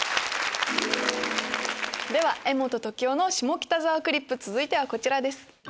では柄本時生の下北沢クリップ続いてはこちらです。